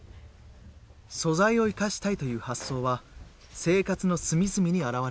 素材を生かしたいという発想は生活の隅々に表れています。